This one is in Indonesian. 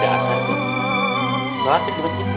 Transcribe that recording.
lo apa ini berarti